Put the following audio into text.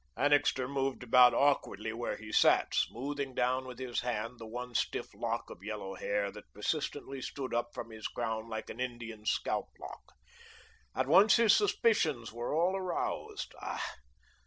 Annixter moved about awkwardly where he sat, smoothing down with his hand the one stiff lock of yellow hair that persistently stood up from his crown like an Indian's scalp lock. At once his suspicions were all aroused. Ah!